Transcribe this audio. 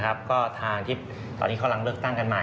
ก็ทางที่ตอนนี้กำลังเลือกตั้งกันใหม่